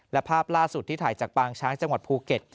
และภาพล่าสุดที่ถ่ายจากปางช้างจังหวัดภูเก็ต